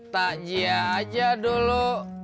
takjiah aja dulu